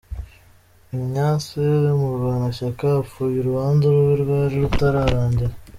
Ignace Murwanashyaka apfuye urubanza rwe rwari rutararangira.